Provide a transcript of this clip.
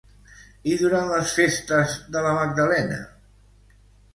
I durant les festes de la Magdalena?